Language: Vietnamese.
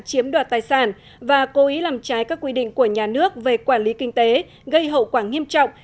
chiếm đoạt tài sản và cố ý làm trái các quy định của nhà nước về quản lý kinh tế gây hậu quả nghiêm trọng